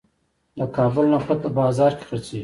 د کابل نخود په بازار کې خرڅیږي.